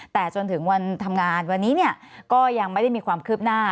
แต่จนถึงวันทำงานวันนี้ก็ยังไม่ได้มีความคืบหน้า